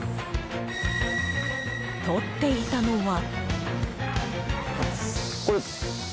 とっていたのは。